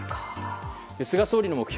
菅総理の目標